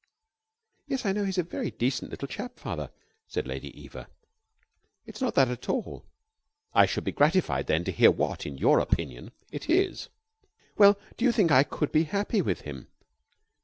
"Yes, I know he's a very decent little chap, Father," said Lady Eva. "It's not that at all." "I should be gratified, then, to hear what, in your opinion, it is." "Well, do you think I could be happy with him?"